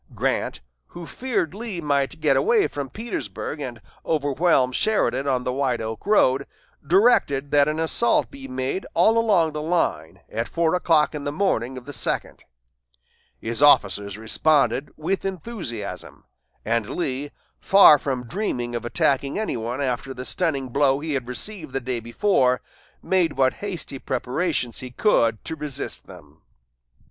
Grant, who feared Lee might get away from Petersburg and overwhelm Sheridan on the White Oak road, directed that an assault be made all along the line at four o'clock on the morning of the second. His officers responded with enthusiasm; and Lee, far from dreaming of attacking any one after the stunning blow he had received the day before, made what hasty preparations he could to resist them.